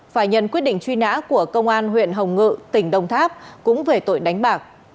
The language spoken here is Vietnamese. phải nhận quyết định truy nã của công an huyện hồng ngự tỉnh đồng tháp cũng về tội đánh bạc